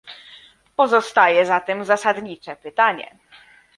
Pozostaje zatem zasadnicze pytanie